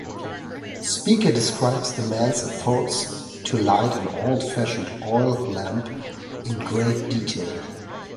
Speaker describes the man's efforts to light an old-fashioned oil lamp in great detail.